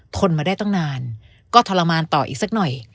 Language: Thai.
ทนมาได้ตั้งนานก็ทรมานต่ออีกสักหน่อย